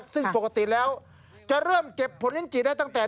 ซึ่งปกติแล้วจะเริ่มเก็บผลลิ้นจีได้ตั้งแต่